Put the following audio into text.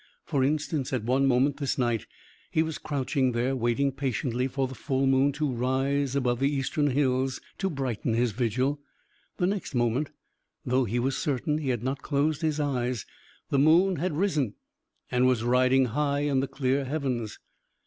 For instance, at one moment, this night, he was crouching there, waiting patiently for the full moon to rise above the eastern hills, to brighten his vigil. The next moment, though he was certain he had not closed his eyes, the moon had risen and was riding high in the clear heavens.